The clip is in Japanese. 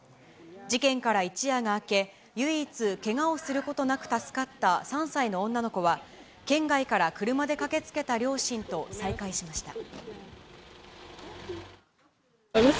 事件から一夜が明け、唯一、けがをすることなく助かった３歳の女の子は、県外から車で駆けつけた両親と再会しました。